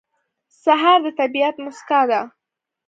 سهار د طبیعت موسکا ده.